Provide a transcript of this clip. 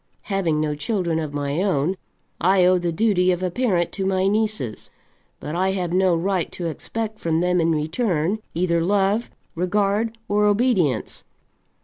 Having no children of my own, I owe the duty of a parent to my nieces; but I have no right to expect from them in return either love, regard, or obedience.